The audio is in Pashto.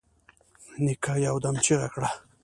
نيکه يودم چيغه کړه.